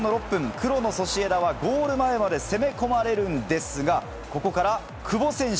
黒のソシエダはゴール前まで攻め込まれるんですが、ここから久保選手。